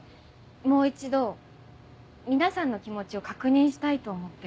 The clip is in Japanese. もう一度皆さんの気持ちを確認したいと思って。